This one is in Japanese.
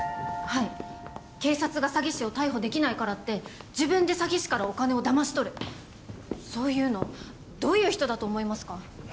はい警察が詐欺師を逮捕できないからって自分で詐欺師からお金を騙し取るそういうのどういう人だと思いますか？